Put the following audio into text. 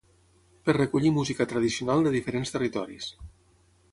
per recollir música tradicional de diferents territoris